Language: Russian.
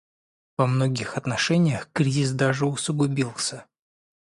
Во многих отношениях кризис даже усугубился.